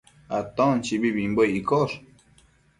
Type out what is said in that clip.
Aton chibibimbuec iccosh